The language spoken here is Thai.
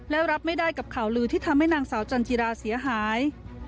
และรับไม่ได้กับข่าวลือที่ทำให้นางสาวจันจิราเสียหาย